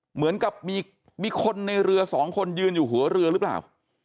เหมือนกับมีคนในเรือสองคนยืนอยู่หัวเรือหรือเปล่า